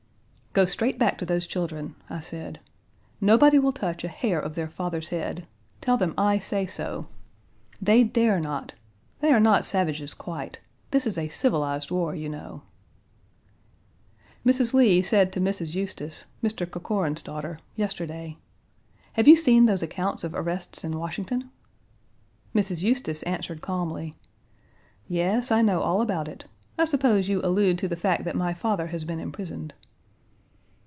"Go straight back to those children," I said. "Nobody will touch a hair of their father's head. Tell them I say so. They dare not. They are not savages quite. This is a civilized war, you know." Mrs. Lee said to Mrs. Eustis (Mr. Corcoran's daughter) yesterday: "Have you seen those accounts of arrests in Washington?" Mrs. Eustis answered calmly: "Yes, I know all about it. I suppose you allude to the fact that my father has been imprisoned."